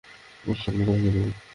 উঠ তোর মুখে ভেঙে দিব।